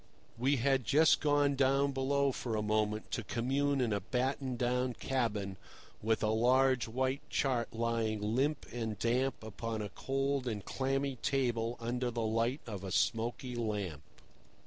We had just gone down below for a moment to commune in a battened down cabin, with a large white chart lying limp and damp upon a cold and clammy table under the light of a smoky lamp.